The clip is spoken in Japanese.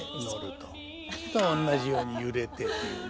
またおんなじように揺れてっていうね。